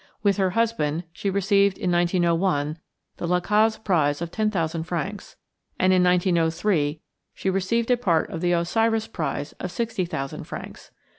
With her husband she received in 1901 the La Caze prize of ten thousand francs; and in 1903 she received a part of the Osiris prize of sixty thousand francs.